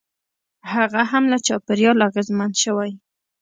هغه هم له چاپېریال اغېزمن شوی.